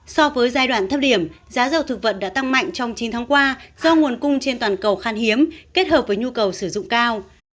so với giai đoạn thấp điểm giá dầu thực vận đã tăng mạnh trong chín tháng qua do nguồn cung trên toàn cầu khan hiếm kết hợp với nhu cầu sử dụng cao